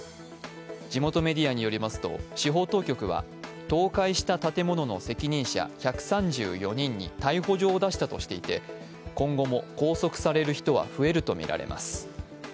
地元メディアによりますと司法当局は倒壊した建物の責任者１３４人に逮捕状を出したとしていて今後も拘束される人は増えるとみられます。